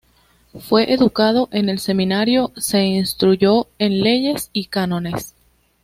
Fue educado en el Seminario, se instruyó en Leyes y Cánones.